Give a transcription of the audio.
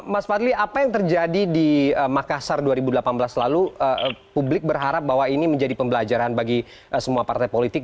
mas fadli apa yang terjadi di makassar dua ribu delapan belas lalu publik berharap bahwa ini menjadi pembelajaran bagi semua partai politik